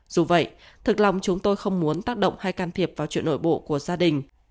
dù vậy thực lòng chúng tôi không muốn tác động hay can thiệp vào chuyện nội bộ của gia đình